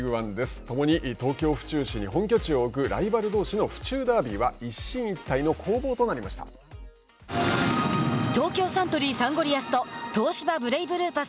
ともに東京・府中市に本拠地を置くライバルどうしの府中ダービーは東京サントリーサンゴリアスと東芝ブレイブルーパス